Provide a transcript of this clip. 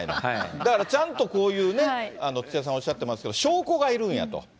だからちゃんとこういうふうにね、土屋さんおっしゃってるけれども、証拠がいるんやと。